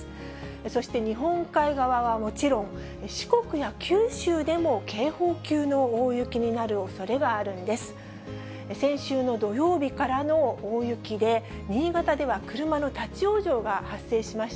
そして日本海側はもちろん、四国や九州でも警報級の大雪になるおそれがあるんです。